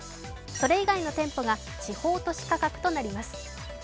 それ以外の店舗が地方都市価格となります。